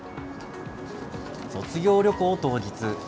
卒業旅行当日。